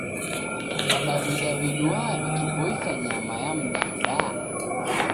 W'adaw'ida w'iduaa w'ikiboisa nyama ya mdanda?